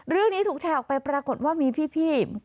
เรื่องนี้ถูกแชร์ออกไปปรากฏว่ามีพี่